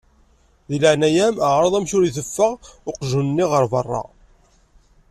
Deg leεnaya-m εreḍ amek ur iteffeɣ uqjun-nni ɣer berra.